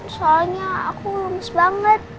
soalnya aku lemes banget